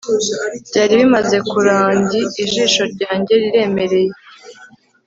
Byari bimaze kurangi ijisho ryanjye riremereye